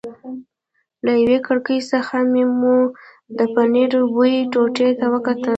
له یوې کړکۍ څخه مو د پنیرو یوې ټوټې ته وکتل.